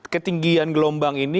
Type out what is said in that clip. ketinggian gelombang ini